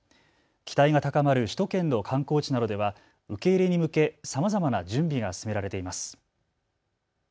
期待が高まる首都圏の観光地などでは受け入れに向けさまざまな準備が進められています。